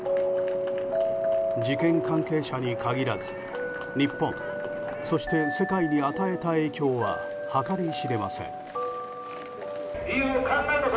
事件関係者に限らず日本、そして世界に与えた影響は計り知れません。